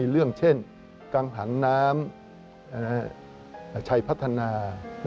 เรื่องเช่นกังหันน้ำชัยพัฒนา